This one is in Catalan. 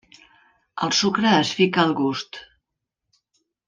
El sucre es fica al gust.